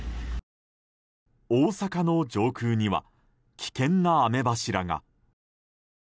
大阪の上空には危険な雨柱が。